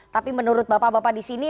tapi menurut bapak bapak di sini